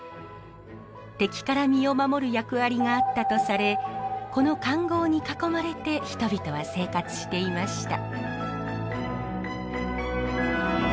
敵から身を守る役割があったとされこの環濠に囲まれて人々は生活していました。